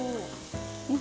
うん。